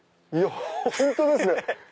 本当ですね！